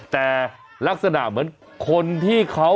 แต่ลักษณะเหมือนคนที่เขา